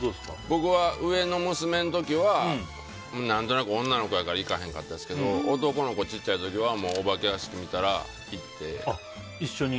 僕は上の娘の時は何となく女の子やったから行かへんかったですけど男の子、小さい時はお化け屋敷見たら行って。